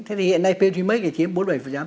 thế thì hiện nay p ba make thì chiếm bốn mươi bảy